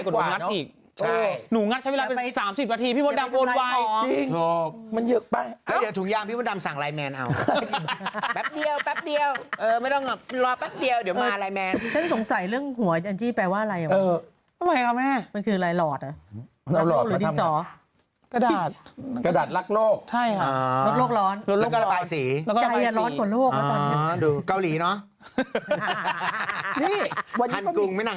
ถูกต้องเดี๋ยวช่วงหน้ากลับมาโจรแสบครับ